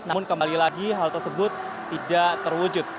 namun kembali lagi hal tersebut tidak terwujud